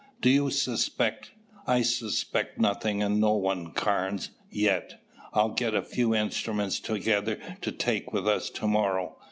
"Do you suspect " "I suspect nothing and no one, Carnes yet! I'll get a few instruments together to take with us to morrow.